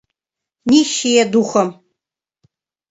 Нищие духом.